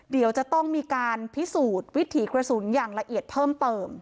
เดี๋ยวจะต้องมีการพิสูจน์วิถีกระสุนอย่างละเอียดเพิ่มเติม